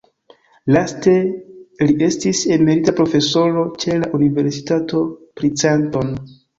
Laste li estis emerita profesoro ĉe la Universitato Princeton.